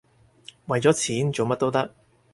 為咗錢，做乜都得